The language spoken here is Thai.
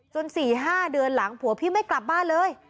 ๔๕เดือนหลังผัวพี่ไม่กลับบ้านเลย